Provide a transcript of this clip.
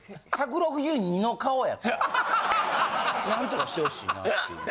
ハハハ！何とかしてほしいなっていう。